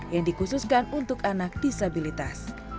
yang dikhususkan untuk anak disabilitas